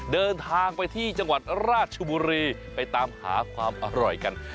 เดินทางไปที่จังหวัดราชบุรีไปตามหาความอร่อยกัน